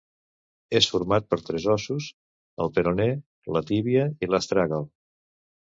És format per tres ossos: el peroné, la tíbia i l'astràgal.